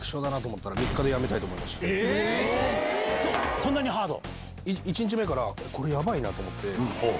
そんなにハード？